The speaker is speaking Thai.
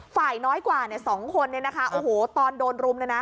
ฝ่ายน้อยกว่า๒คนตอนโดนรุ่ม